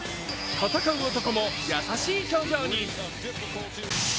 戦う男も優しい表情に。